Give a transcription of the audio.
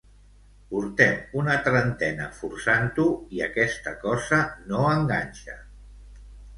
Portem una trentena forçant-ho i aquesta cosa no enganxa.